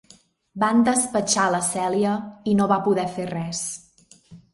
Van despatxar la Cèlia i no va poder fer res.